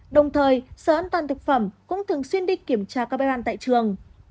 đồng thời sở an toàn thực phẩm cũng thường xuyên đi kiểm tra các bếp ăn tại trường